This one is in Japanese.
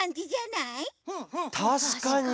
たしかに。